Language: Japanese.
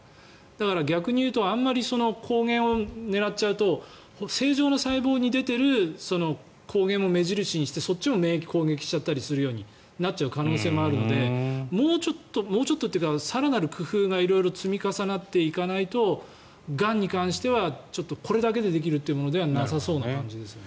だから、逆に言うと抗原を狙っちゃうと正常な細胞に出ている抗原も目印にしてそっちも免疫を攻撃するようになっちゃう可能性もあるのでもうちょっともうちょっとっていうから更なる工夫が色々積み重なっていかないとがんに関してはこれだけでできるというものではなさそうな感じですね。